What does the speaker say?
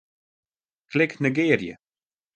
Klik Negearje.